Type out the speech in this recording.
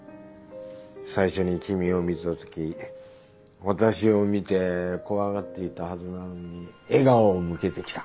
最初に君を見たとき私を見て怖がっていたはずなのに笑顔を向けてきた。